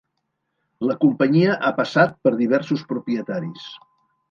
La companyia ha passat per diversos propietaris.